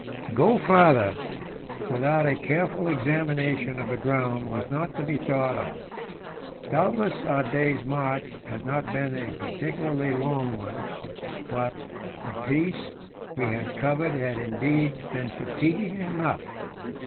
To go farther without a careful examination of the ground was not to be thought of. Doubtless, our day's march had not been a particularly long one, but the piece we had covered had indeed been fatiguing enough.